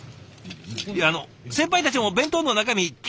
いやあの先輩たちも弁当の中身気になる様子。